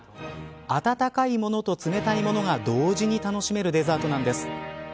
温かいものと冷たいものが同時に楽しめるデザートなんです。